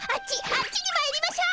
あっちにまいりましょ！